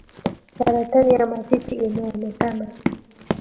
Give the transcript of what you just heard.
saratani ya matiti imeonekana